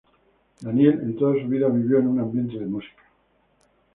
Daniel en toda su vida vivió en un ambiente de música.